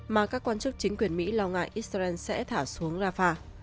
mà các quan chức chính quyền mỹ lo ngại israel sẽ thả xuống rafah